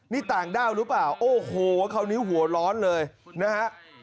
นี่ต่างด้าวหรือเปล่าโอ้โหคราวนี้หัวร้อนเลยนะฮะ